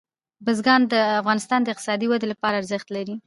بزګان د افغانستان د اقتصادي ودې لپاره ارزښت لري.